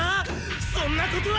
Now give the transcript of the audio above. そんなことは！